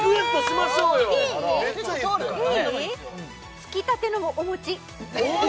つきたてのお餅お餅？